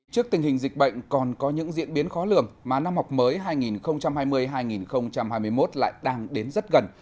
trước tình hình dịch bệnh còn có những diễn biến khó lường mà năm học mới hai nghìn hai mươi hai nghìn hai mươi một lại đang đến rất gần